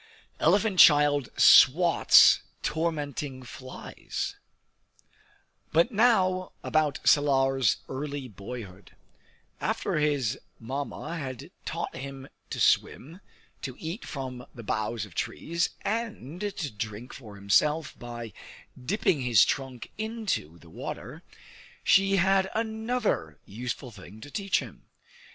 Elephant Child "Swats" Tormenting Flies But now about Salar's early boyhood. After his Mamma had taught him to swim, to eat from the boughs of trees, and to drink for himself by dipping his trunk into the water, she had another useful thing to teach him.